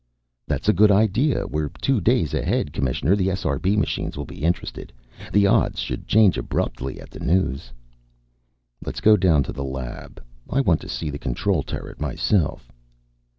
"That's a good idea! We're two days ahead, Commissioner. The SRB machines will be interested. The odds should change abruptly at the news." "Let's go down to the lab. I want to see the control turret myself."